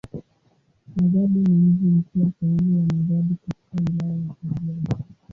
Magadi ni mji mkuu wa sehemu ya Magadi katika Wilaya ya Kajiado.